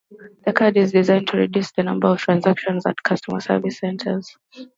The card is designed to reduce the number of transactions at customer service centers.